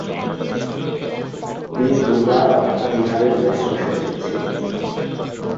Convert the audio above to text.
তিনি দুবার বিহারের মুখ্য সচিব ছিলেন।